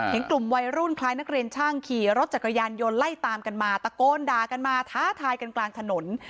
เห็นกลุ่มวัยรุ่นคล้ายนักเรียนช่างขี่รถจักรยานยนต์ไล่ตามกันมาตะโกนด่ากันมาท้าทายกันกลางถนน